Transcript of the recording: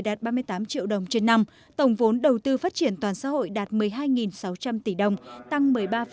đạt ba mươi tám triệu đồng trên năm tổng vốn đầu tư phát triển toàn xã hội đạt một mươi hai sáu trăm linh tỷ đồng tăng một mươi ba